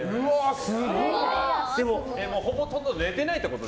ほぼほぼ寝てないってこと？